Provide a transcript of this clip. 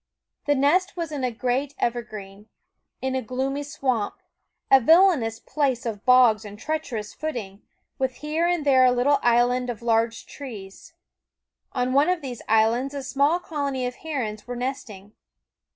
The nest was in a great ever green, in a gloomy swamp, a villainous place of bogs and treacherous footing, with here and there a little island of large trees. On one of these islands a small colony of herons were nesting.